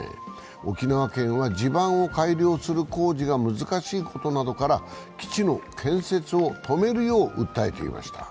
沖縄県は地盤を改良する工事が難しいことなどから、基地の建設を止めるよう訴えていました。